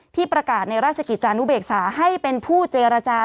ที่ประกาศในราชกิจจานุเบกษาให้เป็นผู้เจรจา